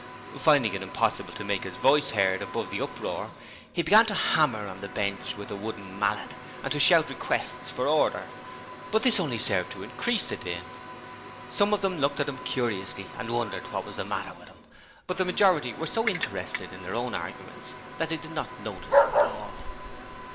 Finding it impossible to make his voice heard above the uproar, he began to hammer on the bench with a wooden mallet, and to shout requests for order, but this only served to increase the din. Some of them looked at him curiously and wondered what was the matter with him, but the majority were so interested in their own arguments that they did not notice him at all.